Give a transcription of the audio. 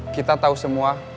kita tahu semua